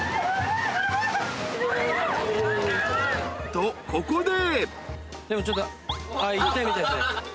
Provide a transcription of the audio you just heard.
［とここで］